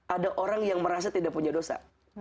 ada orang yang merasa tidak punya dosa